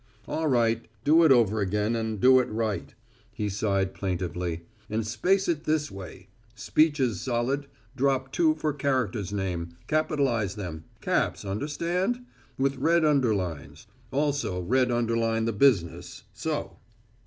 "All right, do it over again and do it right," he sighed plaintively, "and space it this way. Speeches solid. Drop two for character's name. Capitalize them caps, understand? with red underlines. Also red underline the business, so."